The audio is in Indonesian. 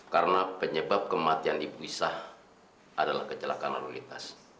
karena penyebab kematian ibu isah adalah kecelakaan anulitas